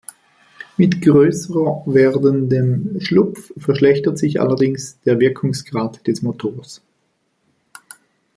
Mit größer werdendem Schlupf verschlechtert sich allerdings der Wirkungsgrad des Motors.